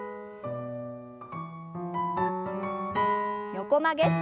横曲げ。